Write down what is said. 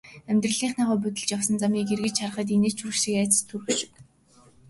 Амьдралынхаа будилж явсан замыг эргэж харахад инээд ч хүрэх шиг, айдас ч төрөх шиг.